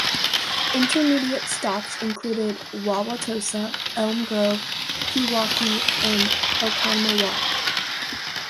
Intermediate stops included Wauwatosa, Elm Grove, Pewaukee, and Oconomowoc.